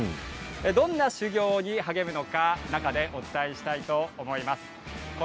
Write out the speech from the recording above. どんな修行に励むのが中で、お伝えしたいと思います。